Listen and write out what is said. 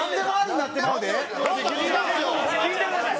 聞いてください！